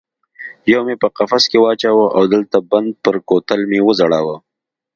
یو مې په قفس کې واچاوه او د لته بند پر کوتل مې وځړاوه.